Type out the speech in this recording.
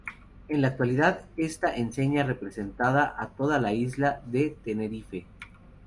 En la actualidad, esta enseña representa a toda la isla de Tenerife.